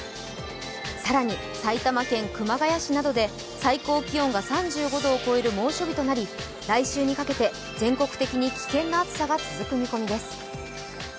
更に、埼玉県熊谷市などで最高気温が３５度を超える猛暑日となり来週にかけて全国的に危険な暑さが続く見込みです。